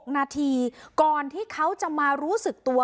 ๖นาทีก่อนที่เขาจะมารู้สึกตัว